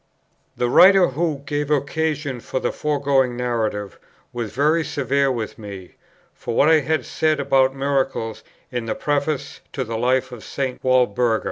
The writer, who gave occasion for the foregoing Narrative, was very severe with me for what I had said about Miracles in the Preface to the Life of St. Walburga.